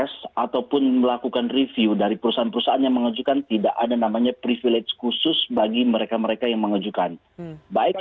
walaupun selalu mengelak